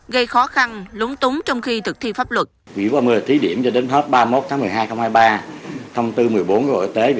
gây khó khăn lúng túng trong khi thực thi pháp luật